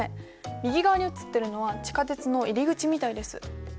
右側に写ってるのは地下鉄の入り口みたいです。